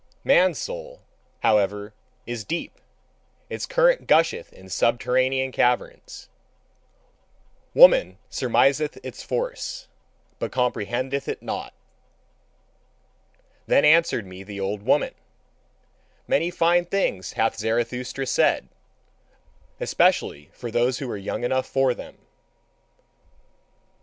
Man's soul, however, is deep, its current gusheth in subterranean caverns: woman surmiseth its force, but comprehendeth it not. Then answered me the old woman: "Many fine things hath Zarathustra said, especially for those who are young enough for them.